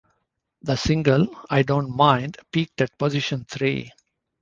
The single "I Don't Mind" peaked at position three.